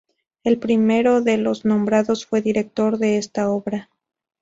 El primero de los nombrados fue director de esta obra.